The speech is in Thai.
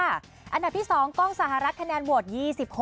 อันดับที่๒กล้องสหรัฐคะแนนโหวต๒๖